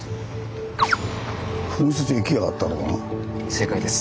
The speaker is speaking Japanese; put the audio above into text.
正解です。